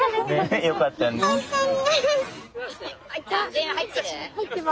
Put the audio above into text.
全員入ってる？